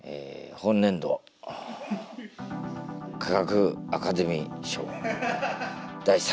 本年度科学アカデミー賞第３位！